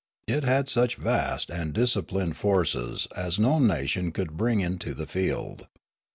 It had such vast and disciplined forces as no nation could bring into the field.